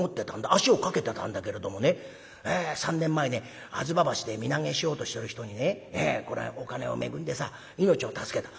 足をかけてたんだけれどもね３年前ね吾妻橋で身投げしようとしてる人にねお金を恵んでさ命を助けた。